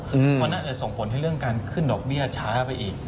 เพราะน่าจะส่งผลให้เรื่องการขึ้นดอกเบี้ยช้าไปอีก